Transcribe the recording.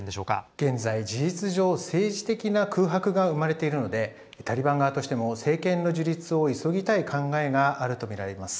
現在、事実上政治的な空白が生まれているのでタリバン側としても政権の樹立を急ぎたい考えがあるとみられます。